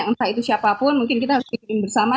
entah itu siapapun mungkin kita harus pilih bersama